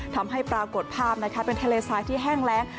ทำให้ปรากฏภาพเป็นทะเลทรายที่แห้งแรง